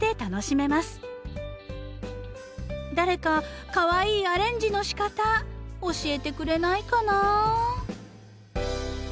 誰かかわいいアレンジのしかた教えてくれないかな。